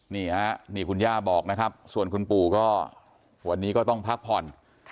นี่ฮะนี่คุณย่าบอกนะครับส่วนคุณปู่ก็วันนี้ก็ต้องพักผ่อน